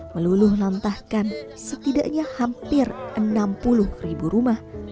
meluluh lantahkan setidaknya hampir enam puluh ribu rumah